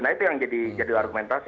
nah itu yang jadi argumentasi